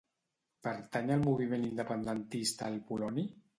Pertany al moviment independentista el Poloni?